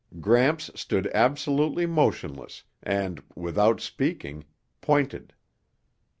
Gramps stood absolutely motionless and, without speaking, pointed.